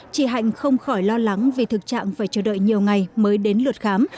chị hạnh không khỏi lo lắng vì thực trạng phải chờ đợi nhiều ngày mới đến lượt khám